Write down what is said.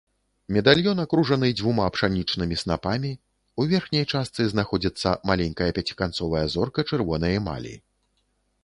Медальён акружаны дзвюма пшанічнымі снапамі, у верхняй частцы знаходзіцца маленькая пяціканцовая зорка чырвонай эмалі.